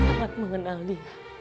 saya sangat mengenal dia